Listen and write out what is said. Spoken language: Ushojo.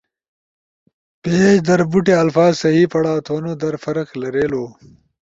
پیج در بوٹی الفاظ صحیح پڑاؤ تھونو در فرق لریلو۔